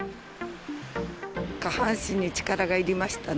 下半身に力がいりましたね。